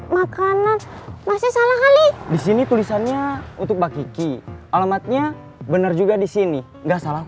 makanan masih salah kali disini tulisannya untuk bakiki alamatnya bener juga disini enggak salah